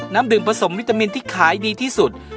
น้ำดื่มผสมวิตามินที่ขายดีที่สุด